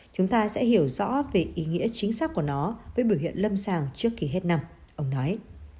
chúng ta sẽ hiểu rõ về ý nghĩa chính xác của nó với biểu hiện lâm sàng trước khi hết năm ông nói